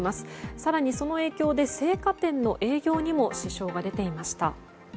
更に、その影響で青果店の営業にも支障が出ていました。